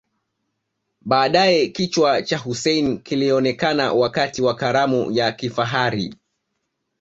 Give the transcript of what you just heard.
Baadae kichwa cha Hussein kilionekana wakati wa karamu ya kifahari